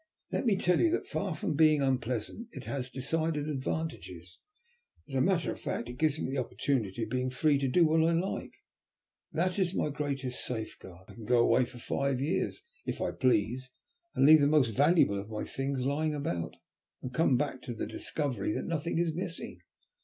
"Let me tell you, that far from being unpleasant it has decided advantages. As a matter of fact it gives me the opportunity of being free to do what I like. That is my greatest safeguard. I can go away for five years, if I please, and leave the most valuable of my things lying about, and come back to the discovery that nothing is missing.